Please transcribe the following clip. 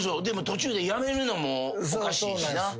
でも途中でやめるのもおかしいしな。